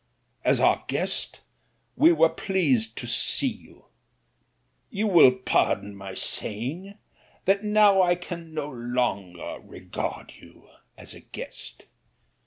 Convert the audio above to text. As our guest we were pleased to see you ; you will pardon my saying that now I can no longer regard you as a guest.